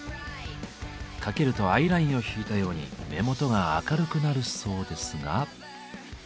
かけるとアイラインを引いたように目元が明るくなるそうですが。